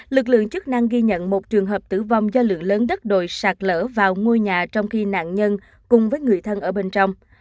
lực lượng chức năng ghi nhận một trường hợp tử vong do lượng lớn đất đồi sạt lở vào ngôi nhà trong khi nạn nhân cùng với người thân ở bên trong